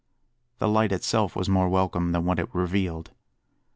The light itself was more welcome than what it revealed.